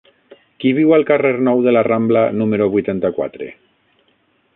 Qui viu al carrer Nou de la Rambla número vuitanta-quatre?